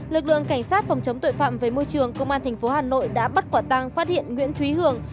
lực lượng cảnh sát phòng chống tội phạm về môi trường công an tp hà nội đã bắt quả tăng phát hiện nguyễn thúy hường